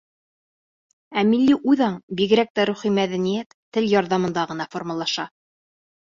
Ә милли үҙаң, бигерәк тә рухи мәҙәниәт тел ярҙамында ғына формалаша.